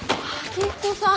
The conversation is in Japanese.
吉子さん！